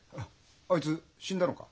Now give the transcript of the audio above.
あいつ死んだのか？